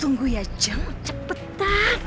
tunggu ya jeng cepetan